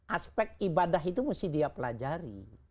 aspek ibadah itu mesti dia pelajari